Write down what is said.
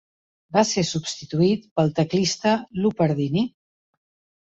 Va ser substituït pel teclista Lou Pardini.